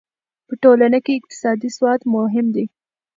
په ټولنه کې اقتصادي سواد مهم دی.